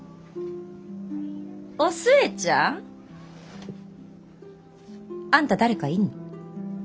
お寿恵ちゃん？あんた誰かいんの？